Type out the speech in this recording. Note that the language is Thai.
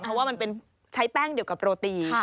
เพราะว่ามันเป็นใช้แป้งเดียวกับโรตี